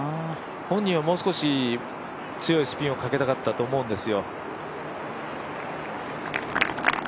本人はもう少し強いスピンをかけたかったと思うんですよ。